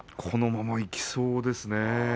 このままいきそうですね。